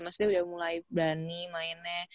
maksudnya udah mulai berani mainnya